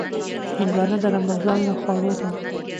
هندوانه د رمضان له خوړو ده.